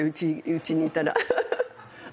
うちにいたら。